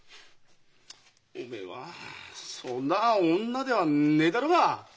おめえはそんな女ではねえだろうが？